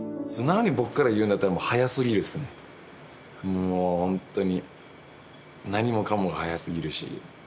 もうホントに。